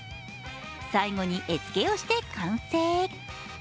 最後に絵付けをして完成。